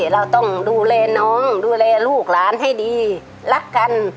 เราต้องดูแลน้องดูแลลูกหลานให้ดีรักกัน